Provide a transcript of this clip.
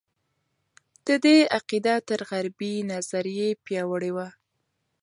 د دې عقیده تر غربي نظریې پیاوړې وه.